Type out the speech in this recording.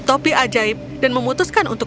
topi ajaib dan memutuskan untuk